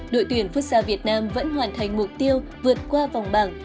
đội tuyển futsa việt nam vẫn hoàn thành mục tiêu vượt qua vòng bảng